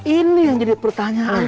ini yang jadi pertanyaan